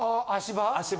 ・足場？